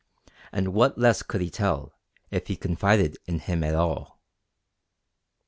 And what less could he tell, if he confided in him at all?